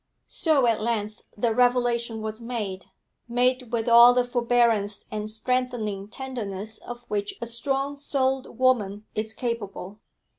So at length the revelation was made, made with all the forbearance and strengthening tenderness of which a strong souled woman is capable.